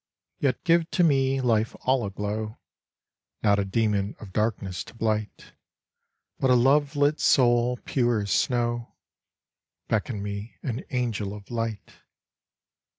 Yet give to me life all aglow, Not a demon of darkness to blight, But a love lit soul pure as snow, Beckon me an angel of light.